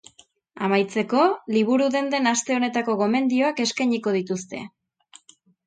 Amaitzeko, liburu-denden aste honetako gomendioak eskainiko dituzte.